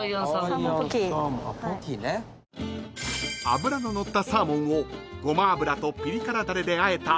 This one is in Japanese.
［脂の乗ったサーモンをごま油とピリ辛だれであえた］